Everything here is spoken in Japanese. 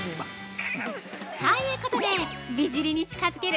◆ということで、美尻に近づける